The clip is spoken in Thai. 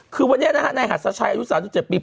คือวันนี้นะครับในหาดศาสตร์ชายอายุ๓๗ปี